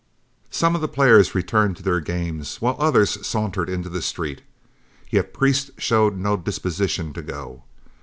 Some of the players returned to their games, while others sauntered into the street, yet Priest showed no disposition to go.